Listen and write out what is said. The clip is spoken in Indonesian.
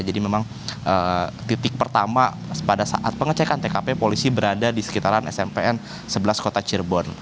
jadi memang titik pertama pada saat pengecekan tkp polisi berada di sekitaran smpn sebelas kota cirebon